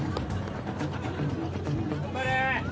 ・頑張れ！